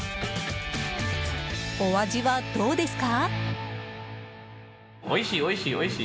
お味はどうですか？